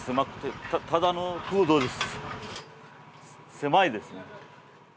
狭いですね。